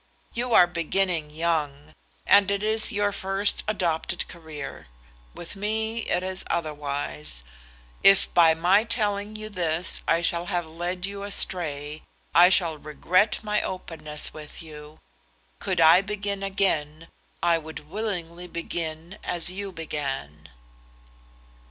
You are beginning young, and it is your first adopted career. With me it is otherwise. If by my telling you this I shall have led you astray, I shall regret my openness with you. Could I begin again, I would willingly begin as you began."